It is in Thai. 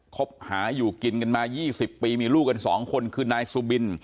ครบหาอยู่กินกันมายี่สิบปีมีลูกกันสองคนคือนายสุบิน